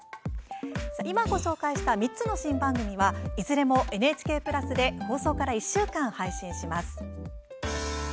今、ご紹介した３つの新番組はいずれもＮＨＫプラスで放送から１週間、配信します。